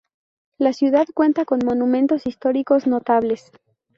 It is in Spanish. La ciudad cuenta con monumentos históricos notables.